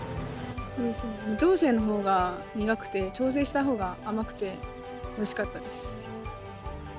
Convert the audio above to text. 無調整の方が苦くて調整した方が甘くておいしかったです。